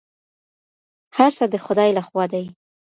هر څه د خدای لخوا دي.